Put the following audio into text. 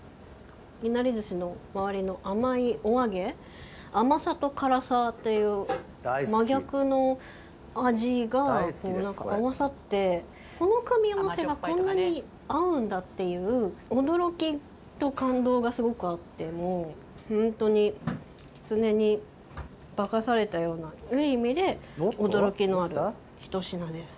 稲荷寿司の周りの甘いお揚げ甘さと辛さという真逆の味が合わさってこの組み合わせがこんなに合うんだっていう驚きと感動がすごくあってもうホントにキツネに化かされたようないい意味で驚きのあるひと品です。